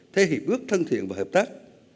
theo hiệp ước thân thiện và hợp tác